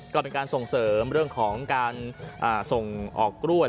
ก็เป็นการส่งเสริมเรื่องของการส่งออกกล้วย